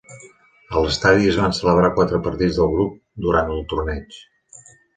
A l"estadi es van celebrar quatre partits del grup durant el torneig.